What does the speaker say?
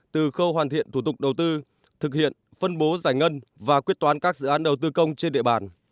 từ khâu hoàn thiện thủ tục đầu tư thực hiện phân bố giải ngân và quyết toán các dự án đầu tư công trên địa bàn